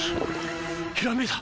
ひらめいた！